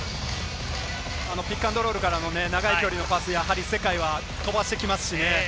ピックアンドロールからの長い距離のパス、やはり世界は飛ばしてきます。